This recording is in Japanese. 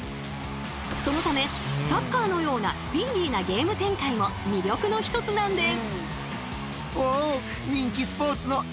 そのためサッカーのようなスピーディーなゲーム展開も魅力の一つなんです。